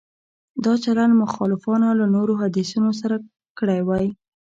دا چلند مخالفانو له نورو حدیثونو سره کړی وای.